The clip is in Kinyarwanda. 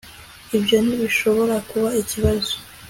ibyo ntibishobora kuba ikibazo